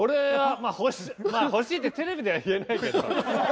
まあ欲しいってテレビでは言えないけど。